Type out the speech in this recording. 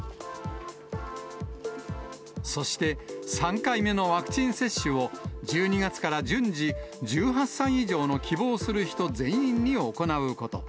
そして、３回目のワクチン接種を１２月から順次、１８歳以上の希望する人全員に行うこと。